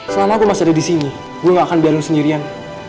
selama aku masih ada di sini gue gak akan biaru sendirian